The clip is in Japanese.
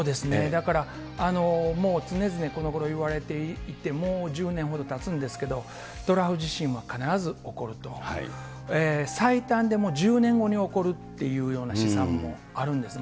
だから、もう常々このごろ言われていて、もう１０年ほどたつんですけれども、トラフ地震は必ず起こる、最短でも１０年後に起こるっていうような試算もあるんですね。